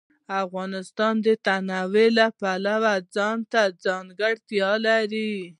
افغانستان د تنوع د پلوه ځانته ځانګړتیا لري.